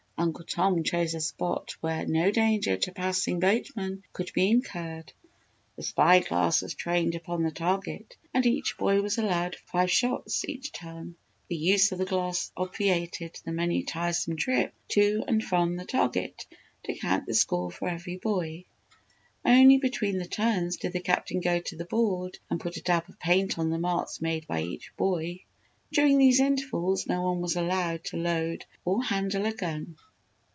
Uncle Tom chose a spot where no danger to passing boatmen could be incurred. The spy glass was trained upon the target and each boy was allowed five shots each turn. The use of the glass obviated the many tiresome trips to and from the target to count the score for every boy. Only between the turns did the Captain go to the board and put a dab of paint on the marks made by each boy. During these intervals no one was allowed to load or handle a gun.